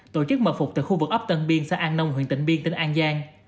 tổ chức mật phục từ khu vực ấp tân biên sang an nông huyện tỉnh biên tỉnh an giang